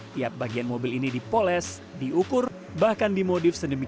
tiap bagian mobil ini dipoles diukur bahkan dimodif sedemikian